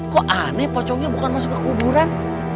kok aneh pocongnya bukan masuk ke kuburan